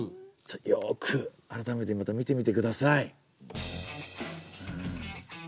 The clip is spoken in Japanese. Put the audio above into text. よく改めてまた見てみてください。